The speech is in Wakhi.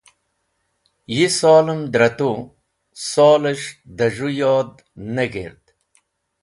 Yi solem dra tu, soles̃h da z̃hũ yod ne g̃hird.